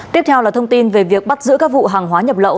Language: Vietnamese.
tiếp theo là thông tin về việc bắt giữ các vụ hàng hóa nhập lậu